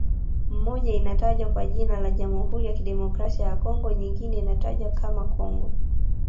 Moja inatajwa kwa jina la Jamhuri ya Kidemokrasia ya Congo nyingine ikitajwa kama Congo